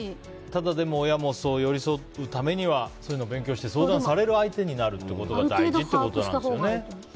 ただ、親も寄り添うためにはそういうの勉強して、相談をされる相手になることが大事ってことですよね。